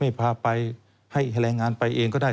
แต่ถ้านายจ้างติดภารกิจไม่พาไปให้แรงงานไปเองก็ได้